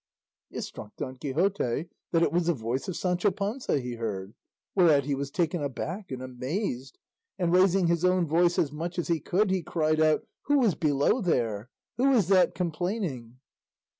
It struck Don Quixote that it was the voice of Sancho Panza he heard, whereat he was taken aback and amazed, and raising his own voice as much as he could, he cried out, "Who is below there? Who is that complaining?"